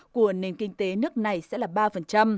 của nền kinh tế nước này sẽ là ba